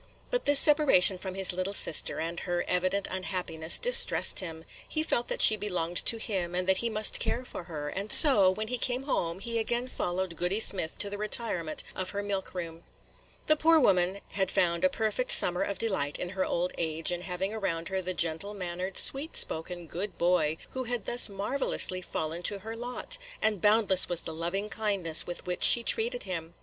But this separation from his little sister, and her evident unhappiness, distressed him; he felt that she belonged to him, and that he must care for her, and so, when he came home, he again followed Goody Smith to the retirement of her milk room. The poor woman had found a perfect summer of delight in her old age in having around her the gentle mannered, sweet spoken, good boy, who had thus marvellously fallen to her lot; and boundless was the loving kindness with which she treated him.